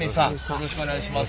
よろしくお願いします。